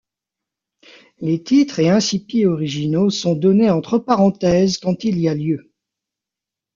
Les titres et incipits originaux sont donnés entre parenthèses quand il y a lieu.